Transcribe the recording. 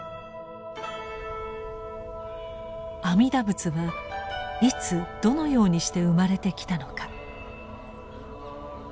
阿弥陀仏はいつどのようにして生まれてきたのか。